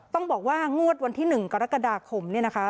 ต้องบอกว่างวดวันที่๑กรกฎาคมเนี่ยนะคะ